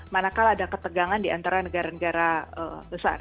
manakala ada ketegangan di antara negara negara besar